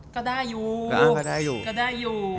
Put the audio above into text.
ก็ได้อยู่ก็ได้อยู่